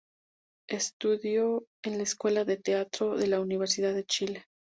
Estudió en la Escuela de Teatro de la Universidad de Chile.